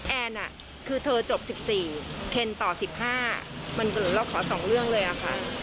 แอนน่ะคือเธอจบ๑๔เคนต่อ๑๕